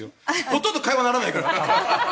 ほとんど会話にならないから。